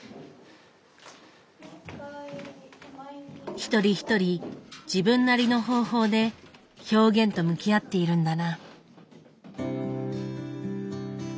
一人一人自分なりの方法で「表現」と向き合っているんだな。